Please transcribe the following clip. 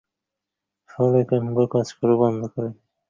ফলে ক্যামেরা কাজ করা বন্ধ করে দেয়।